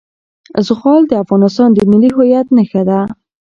زغال د افغانستان د ملي هویت نښه ده.